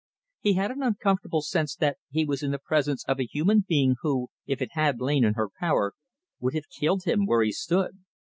He had an uncomfortable sense that he was in the presence of a human being who, if it had lain in her power, would have killed him where he stood.